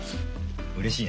うれしいね。